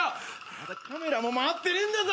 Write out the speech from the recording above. まだカメラも回ってねえんだぞ！